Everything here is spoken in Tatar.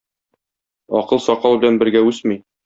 Акыл сакал белән бергә үсми.